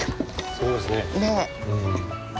そうですね。